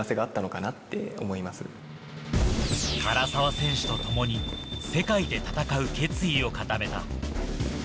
唐澤選手とともに世界で戦う決意を固めた。